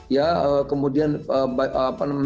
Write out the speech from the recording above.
ya kemudian modest